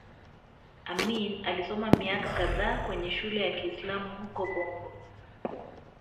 Amin alisoma miaka kadhaa kwenye shule ya Kiislamu huko Bombo